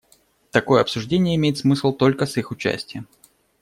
Такое обсуждение имеет смысл только с их участием.